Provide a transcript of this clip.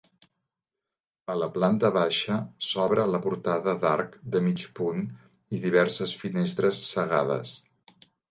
A la planta baixa s'obre la portada d'arc de mig punt i diverses finestres cegades.